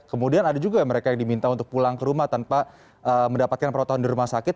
kemudian ada juga yang mereka yang diminta untuk pulang ke rumah tanpa mendapatkan protokol di rumah sakit